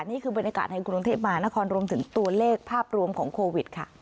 นี่คือบรรยากาศในกรุงเทพมหานครรวมถึงตัวเลขภาพรวมของโควิดค่ะ